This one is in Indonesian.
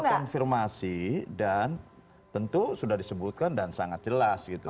terkonfirmasi dan tentu sudah disebutkan dan sangat jelas gitu